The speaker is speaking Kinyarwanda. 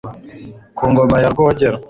ku ngoma ya rwogera